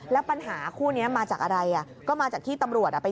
แล้วปัญหาช่วงนี้มาจากอะไร